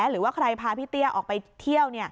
หรือว่าใครพาพี่เตี้ยออกไปเที่ยว